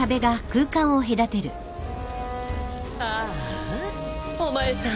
ああお前さん